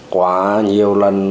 quá nhiều lần